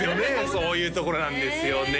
そういうところなんですよね